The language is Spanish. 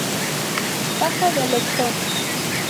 Casa del Lector.